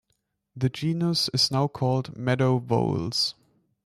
The genus is also called "meadow voles".